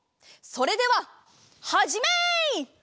それでははじめい！